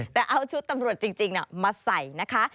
แต่เอาชุดตำรวจจริงมาใส่นะคะ